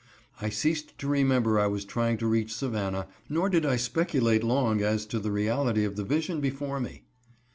I ceased to remember I was trying to reach Savannah, nor did I speculate long as to the reality of the vision before me.